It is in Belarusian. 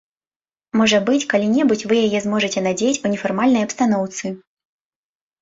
Можа быць, калі-небудзь вы яе зможаце надзець ў нефармальнай абстаноўцы.